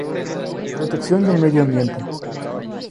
Protección del medio ambiente.